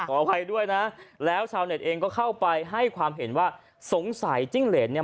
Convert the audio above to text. อภัยด้วยนะแล้วชาวเน็ตเองก็เข้าไปให้ความเห็นว่าสงสัยจิ้งเหรนเนี่ย